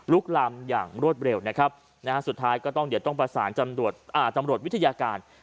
ลำอย่างรวดเร็วนะครับสุดท้ายก็ต้องเดี๋ยวต้องประสานตำรวจวิทยาการ